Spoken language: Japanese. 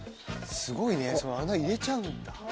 すごいね穴入れちゃうんだ。